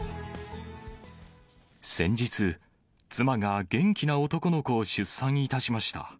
先日、妻が元気な男の子を出産いたしました。